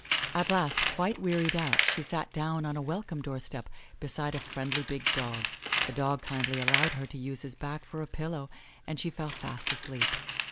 At last, quite wearied out, she sat down on a welcome doorstep beside a friendly big dog. The dog kindly allowed her to use his back for a pillow and she fell fast asleep.